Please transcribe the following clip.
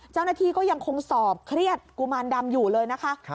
เจ้าหน้าที่ก็ยังคงสอบเครียดกุมารดำอยู่เลยนะคะ